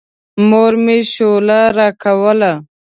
مور مې شوله راکوله.